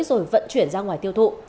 rồi vận chuyển ra ngoài tiêu thụ